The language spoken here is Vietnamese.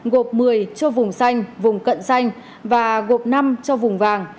gộp một mươi cho vùng xanh vùng cận xanh và gộp năm cho vùng vàng